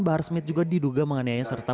bahar smith juga diduga menganiaya serta